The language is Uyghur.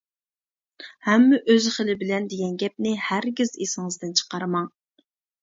ھەممە ئۆز خىلى بىلەن دېگەن گەپنى ھەرگىز ئېسىڭىزدىن چىقارماڭ.